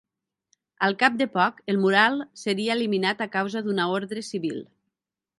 Al cap de poc, el mural seria eliminat a causa d'una ordre civil.